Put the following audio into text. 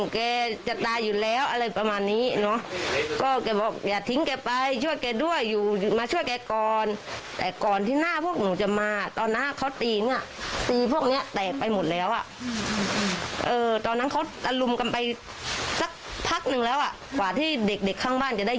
คุณผู้ชมคะหลังเกิดเหตุครับ